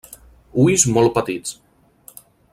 Ulls molt petits.